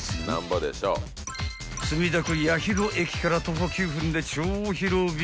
［墨田区八広駅から徒歩９分で超広々］